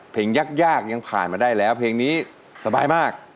เพลงยากยังผ่านมาได้แล้วเพลงนี้สบายมาก